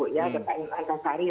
atau pak antan fahri